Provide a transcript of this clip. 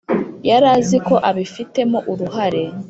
yaraziko abifitemo uruhare